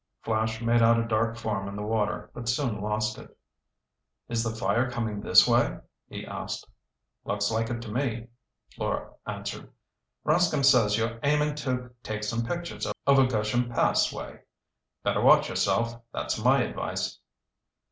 Flash made out a dark form in the water but soon lost it. "Is the fire coming this way?" he asked. "Looks like it to me," Fleur answered. "Rascomb says you're aimin' to take some pictures over Gersham Pass way. Better watch yourself—that's my advice."